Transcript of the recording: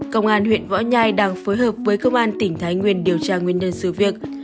công an huyện võ nhai đang phối hợp với công an tỉnh thái nguyên điều tra nguyên nhân sự việc